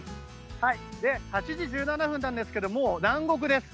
８時１７分なんですけど南国です。